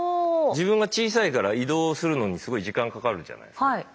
自分が小さいから移動するのにすごい時間かかるじゃないですか。